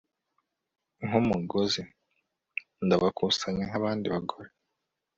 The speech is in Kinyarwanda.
nk'umugozi. ndabakusanya nkabandi bagore